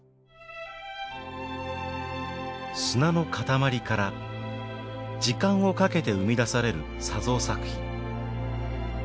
砂の塊から時間をかけて生み出される砂像作品。